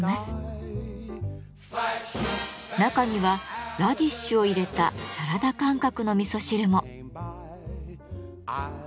中にはラディッシュを入れたサラダ感覚の味噌汁も。